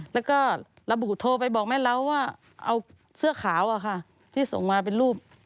แล้วก็ระบุโทรไปบอกแม่เราว่าเอาเสื้อขาวอะค่ะที่ส่งมาเป็นรูป